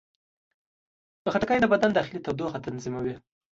خټکی د بدن داخلي تودوخه تنظیموي.